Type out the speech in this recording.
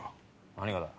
何がだ？